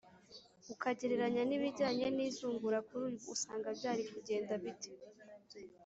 ukagereranya n’ibijyanye n’izungura kuri ubu usanga byari kugenda bite?